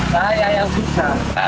saya yang susah